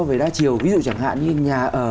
về đa chiều ví dụ chẳng hạn như nhà ở